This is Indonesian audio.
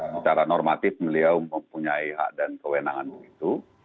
secara normatif beliau mempunyai hak dan kewenangan begitu